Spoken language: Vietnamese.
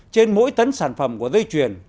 trên mỗi tấn sản phẩm của dây chuyền